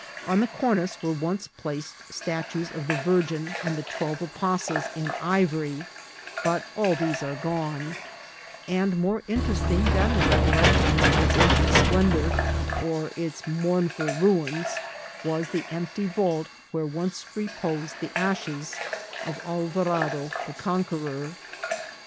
On the cornice were once placed stat ues of the Virgin and the twelve apostles in ivory; but all these are gone ; and more interesting than the recollections of its ancient splendour or its mournful ruins was the empty vault where once reposed the ashes of Alvarado the Conqueror.